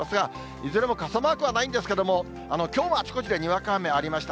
いずれも傘マークはないんですけれども、きょうもあちこちでにわか雨ありました。